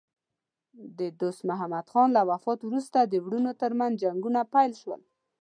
د دوست محمد خان له وفات وروسته د وروڼو ترمنځ جنګونه پیل شول.